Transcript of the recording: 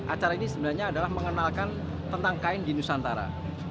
acara ini sebenarnya adalah mengenalkan tentang kain di nusantara